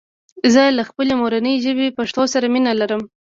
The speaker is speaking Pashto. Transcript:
زه له خپلي مورني ژبي پښتو سره مينه لرم